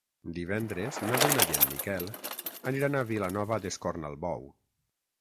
Divendres na Duna i en Miquel aniran a Vilanova d'Escornalbou.